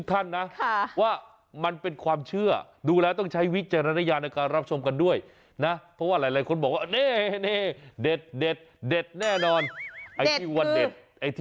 เราวงเอาไว้เผื่อใครไม่รู้จะได้รู้เหมือนเรา